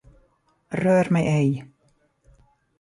Rör mig ej!